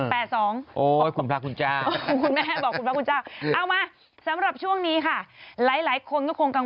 แต่คุณเนี้ยจังมากเลข๓กับเลข๘เหมือนกัน